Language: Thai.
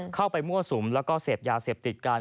มั่วสุมแล้วก็เสพยาเสพติดกัน